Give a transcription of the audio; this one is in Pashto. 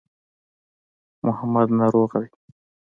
محمد ناروغه دی.